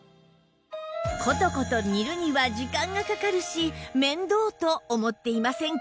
コトコト煮るには時間がかかるし面倒と思っていませんか？